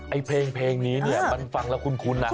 ไอ้เพลงนี้เนี่ยมันฟังแล้วคุ้นนะ